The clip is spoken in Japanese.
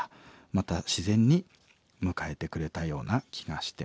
また自然に迎えてくれたような気がしてます」。